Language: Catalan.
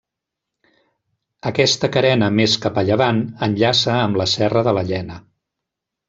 Aquesta carena més cap a llevant enllaça amb la Serra de la Llena.